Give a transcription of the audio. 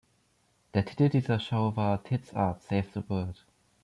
Der Titel dieser Schau war "Thitz-Art saves the world".